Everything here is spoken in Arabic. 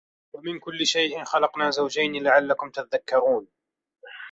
وَمِن كُلِّ شَيءٍ خَلَقنا زَوجَينِ لَعَلَّكُم تَذَكَّرونَ